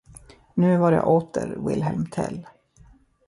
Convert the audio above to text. Nu var jag åter Wilhelm Tell.